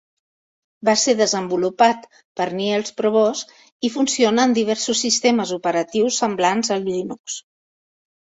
Va ser desenvolupat per Niels Provos i funciona en diversos sistemes operatius semblants a Linux.